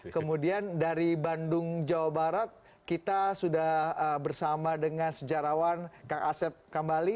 kemudian dari bandung jawa barat kita sudah bersama dengan sejarawan kang asep kambali